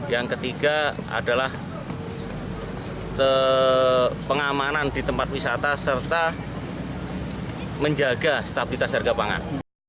yang ketiga adalah pengamanan di tempat wisata serta menjaga stabilitas harga pangan